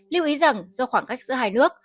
lưu ý rằng do khoảng cách giữa hai nước